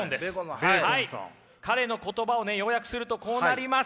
彼の言葉をね要約するとこうなります。